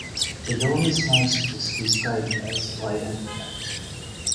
The yowie's nose is described as wide and flat.